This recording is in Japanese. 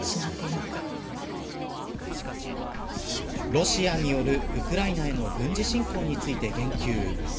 ロシアによるウクライナへの軍事侵攻について言及。